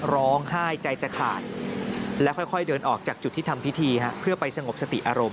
ร้องไห้ใจจะขาดแล้วค่อยเดินออกจากจุดที่ทำพิธีเพื่อไปสงบสติอารมณ์